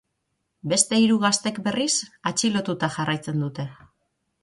Beste hiru gazteek, berriz, atxilotuta jarraitzen dute.